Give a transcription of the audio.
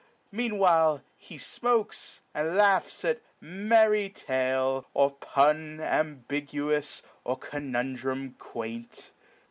Mean while, he fmokes, and laughs at merry tale, Or pun ambiguous, or conundrum quaint.